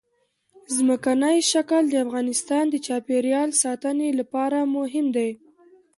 ځمکنی شکل د افغانستان د چاپیریال ساتنې لپاره مهم دي.